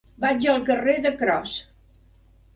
Vaig al carrer de Cros.